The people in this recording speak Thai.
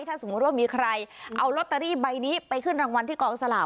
ถ้าสมมุติว่ามีใครเอาลอตเตอรี่ใบนี้ไปขึ้นรางวัลที่กองสลาก